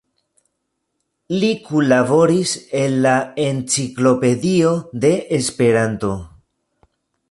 Li kunlaboris en la Enciklopedio de Esperanto.